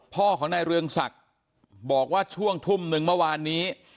พ่อของนายเรืองศักดิ์บอกว่าช่วงทุ่มหนึ่งเมื่อวานนี้